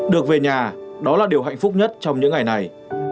được về nhà đó là điều hạnh phúc nhất trong những ngày này